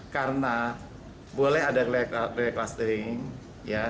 karena boleh ada re clustering ya